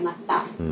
うん？